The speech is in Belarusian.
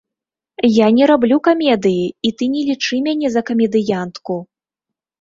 Я не раблю камедыі, і ты не лічы мяне за камедыянтку!